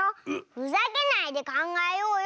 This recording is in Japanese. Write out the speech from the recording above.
ふざけないでかんがえようよ！